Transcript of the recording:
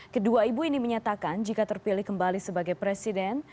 kedua ibu ini menyatakan jika terpilih kembali sebagai presiden